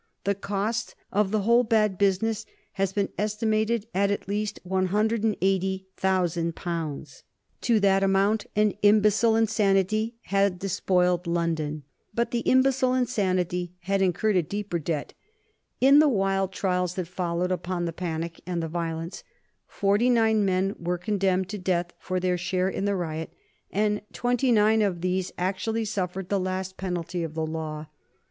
The cost of the whole bad business has been estimated at at least 180,000 pounds. To that amount an imbecile insanity had despoiled London. But the imbecile insanity had incurred a deeper debt. In the wild trials that followed upon the panic and the violence forty nine men were condemned to death for their share in the riot, and twenty nine of these actually suffered the last penalty of the law.